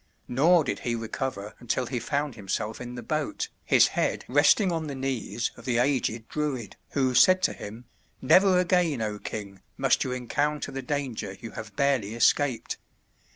Nor did he recover until he found himself in the boat, his head resting on the knees of the aged Druid, who said to him, "Never again, O king! must you encounter the danger you have barely escaped.